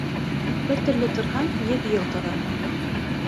Бер төрлө торһаң, йөҙ йыл торорһоң.